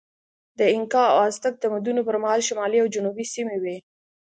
د اینکا او ازتک تمدنونو پر مهال شمالي او جنوبي سیمې وې.